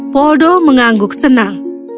poldo mengangguk senang